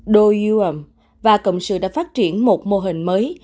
doyoum và cộng sự đã phát triển một mô hình mới